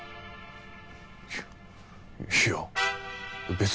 いやいや別に何も。